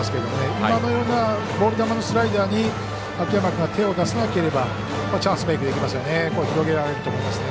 今のようなボール球のスライダーに秋山君が手を出さなければチャンスメークできますよね。